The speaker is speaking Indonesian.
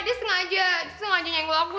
dia sengaja sengaja nyanggul aku